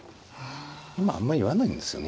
今あんまり言わないんですよね